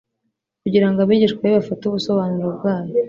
kugira ngo abigishwa be bafate ubusobanuro bwayo.